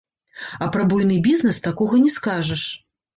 А пра буйны бізнэс такога не скажаш.